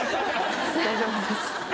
大丈夫です。